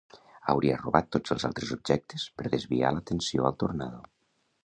Hauria robat tots els altres objectes per desviar l'atenció al Tornado.